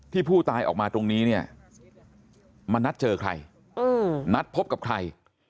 ผู้ตายออกมาตรงนี้เนี่ยมานัดเจอใครนัดพบกับใคร